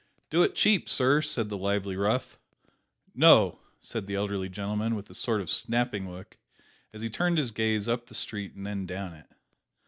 "Do it cheap, sir," said the lively rough. "No!" said the elderly gentleman, with a sort of snapping look, as he turned his gaze up the street and then down it.